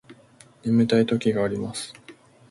眠たい時があります